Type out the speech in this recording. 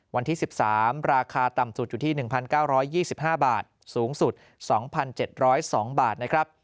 วันที่๑๓ราคาต่ำสุดอยู่ที่๑๙๒๕บาทสูงสุด๒๗๐๒บาทนะครับ